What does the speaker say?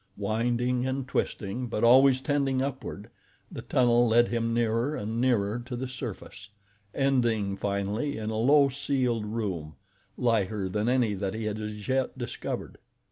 Winding and twisting, but always tending upward, the tunnel led him nearer and nearer to the surface, ending finally in a low ceiled room, lighter than any that he had as yet discovered.